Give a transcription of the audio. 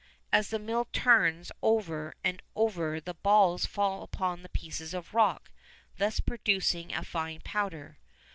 As the mill turns over and over the balls fall upon the pieces of rock, thus producing a fine powder.